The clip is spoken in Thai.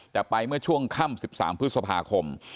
แต่ไปเมื่อช่วงค่ำ๑๓พฤษภาคม